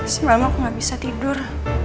semalam aku gak bisa tidur